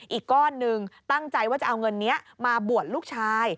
อีกก้อนหนึ่งตั้งใจว่าจะเอาเงินนี้มาบวชลูกชาย